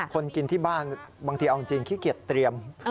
กินที่บ้านบางทีเอาจริงขี้เกียจเตรียม